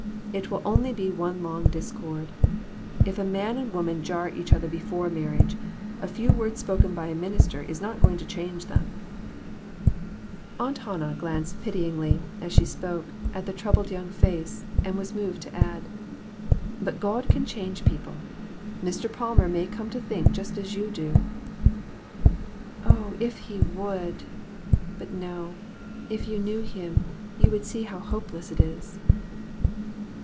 It will only be one long discord. If a man and woman jar each other before marriage, a few words spoken by a minister is not going to change them." 3O2 AN EVENTFUL AFTERNOON. Aunt Hannah glanced pityingly, as she spoke, at the troubled young face, and was moved to add "But God can change people. Mr. Palmer may come to think just as you do." " Oh, if he would ! But no ; if you knew him, you would see how hopeless it is."